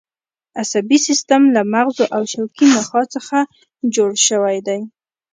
عصبي سیستم له مغزو او شوکي نخاع څخه جوړ شوی دی